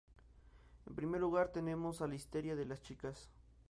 En primer lugar tenemos la histeria de las chicas.